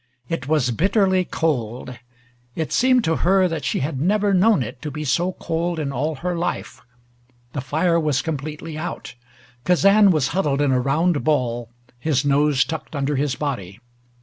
It was bitterly cold. It seemed to her that she had never known it to be so cold in all her life. The fire was completely out. Kazan was huddled in a round ball, his nose tucked under his body.